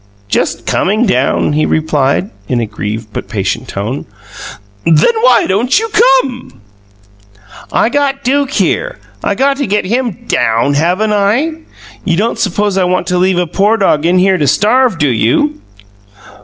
"Just coming down," he replied, in a grieved but patient tone. "Then why don't you COME?" "I got Duke here. I got to get him DOWN, haven't I? You don't suppose I want to leave a poor dog in here to starve, do you?"